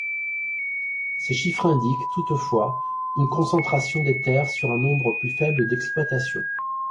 Ces chiffres indiquent, toutefois, une concentration des terres sur un nombre plus faible d’exploitations.